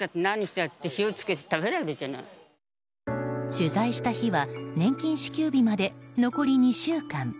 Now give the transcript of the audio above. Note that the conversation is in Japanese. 取材した日は年金支給日まで残り２週間。